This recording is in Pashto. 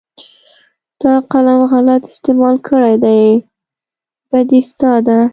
تا قلم غلط استعمال کړى دى بدي ستا ده.